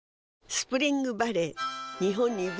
スプリングバレー